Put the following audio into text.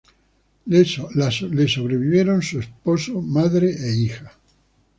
La sobrevivieron su esposo, madre, e hija.